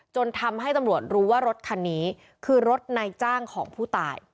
จนทำให้ตำรวจรู้ว่ารถคันนี้คือรถนายจ้างของผู้ตาย